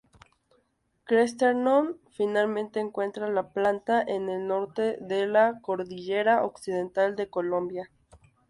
Chesterton finalmente encuentra la planta en el norte de la Cordillera Occidental de Colombia.